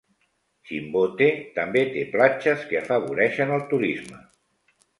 Chimbote també té platges que afavoreixen el turisme.